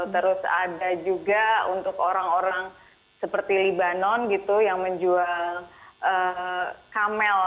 terus ada juga untuk orang orang seperti libanon gitu yang menjual kamel